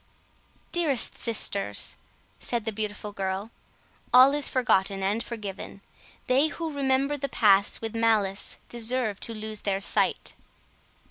"Dearest sisters," said the beautiful girl, "all is forgotten and forgiven. They who remember the past with malice deserve to lose their sight."